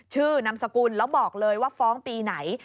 นามสกุลแล้วบอกเลยว่าฟ้องปีไหน